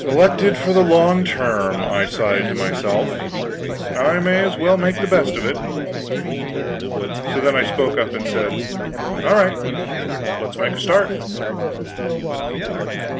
"Elected for the long term," I sighed to myself. "I may as well make the best of it." So then I spoke up and said: "All right; let us make a start."